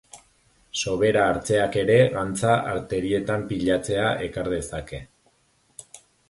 Sobera hartzeak ere gantza arterietan pilatzea ekar dezake.